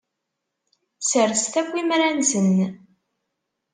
Sserset akk imra-nsen.